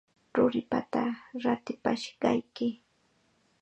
Ruripata ratipashqayki.